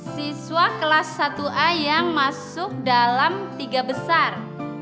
siswa kelas satu a yang masuk dalam tiga besar